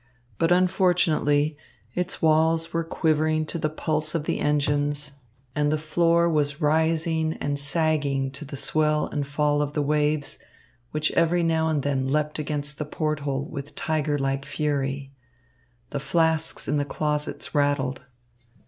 But unfortunately its walls were quivering to the pulse of the engines and the floor was rising and sagging to the swell and fall of the waves, which every now and then leapt against the port hole with tiger like fury. The flasks in the closets rattled.